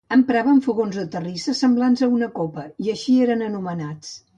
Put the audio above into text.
Empraven fogons de terrissa semblants a una copa, i així eren anomenats.